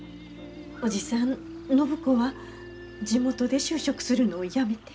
おじさん暢子は地元で就職するのをやめて。